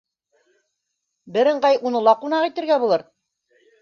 Бер ыңғай уны ла ҡунаҡ итергә булыр.